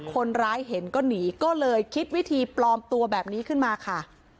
คนร้ายเห็นก็หนีก็เลยคิดวิธีปลอมตัวแบบนี้ขึ้นมาค่ะ